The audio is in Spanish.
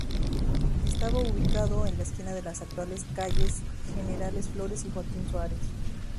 Estaba ubicado en la esquina de las actuales calles General Flores y Joaquín Suárez.